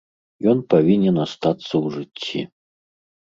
Ён павінен астацца ў жыцці.